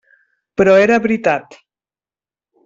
Però era veritat.